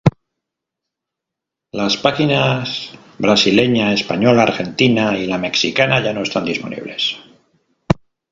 Las páginas brasileña, española, argentina y la mexicana ya no están disponibles.